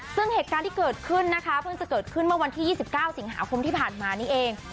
ซึ่งเหตุการณ์ที่เกิดขึ้นนะคะเพิ่งจะเกิดขึ้นเมื่อวันที่๒๙สิงหาคมที่ผ่านมานี้เอง